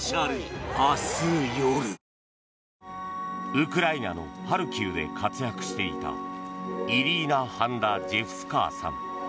ウクライナのハルキウで活躍していたイリーナ・ハンダジェフスカーさん。